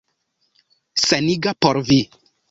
Saniga por vi.